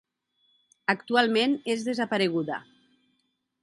Actualment és desapareguda.